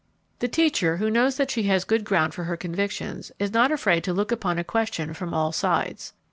The teacher who knows that she has good ground for her convictions is not afraid to look upon a question from all sides.